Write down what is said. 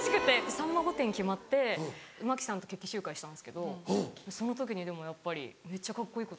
『さんま御殿‼』決まって麻貴さんと決起集会したんですけどその時にでもやっぱりめっちゃカッコいいことを。